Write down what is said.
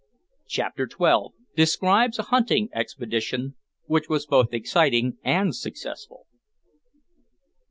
CHAPTER TWELVE. DESCRIBES A HUNTING EXPEDITION WHICH WAS BOTH EXCITING AND SUCCESSFUL.